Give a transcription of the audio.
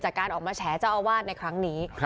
การออกมาแฉเจ้าอาวาสในครั้งนี้